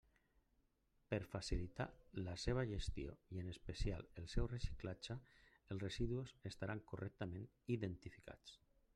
Per facilitar la seva gestió i en especial el seu reciclatge, els residus estaran correctament identificats.